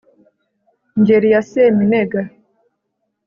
Ngeri ya Seminega